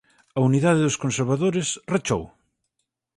A unidade dos conservadores rachou.